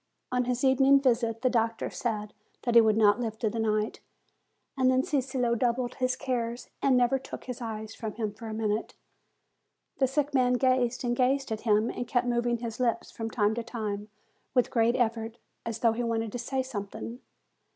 On his evening visit, the doctor said that he DADDY'S NURSE 141 would not live through the night. And then Cicillo redoubled his cares, and never took his eyes from him for a minute. The sick man gazed and gazed at him, and kept moving his lips from time to time, with great effort, as though he wanted to say something.